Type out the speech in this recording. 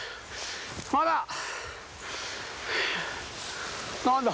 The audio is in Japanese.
まだ！何だ。